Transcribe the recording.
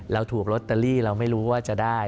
เราถูกลอตเตอรี่เราไม่รู้ว่าจะได้